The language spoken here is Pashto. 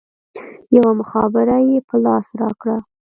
يوه مخابره يې په لاس راکړه.